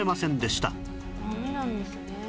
ダメなんですね。